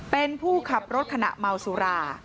เป็นผู้ขับรถขณะเมาสุรา